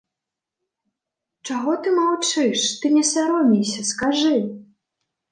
Чаго ты маўчыш, ты не саромейся, скажы.